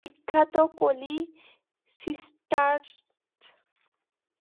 বিখ্যাত Kelly sisters!